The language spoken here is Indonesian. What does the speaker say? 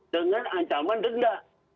dengan ancaman denda